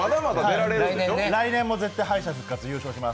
来年も絶対、敗者復活します。